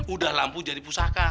udah lampu jadi pusaka